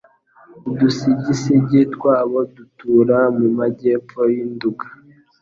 udusigisigi twabo dutura mu majyepfo y'i Nduga.